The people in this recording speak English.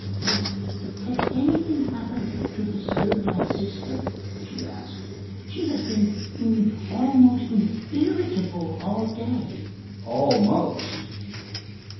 "Has–has anything happened to disturb my sister?" she asked. "She–has been almost irritable all day." Almost!